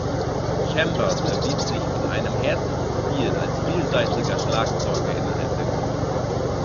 Chambers erwies sich mit einem härteren Stil als vielseitiger Schlagzeuger innerhalb der Gruppe.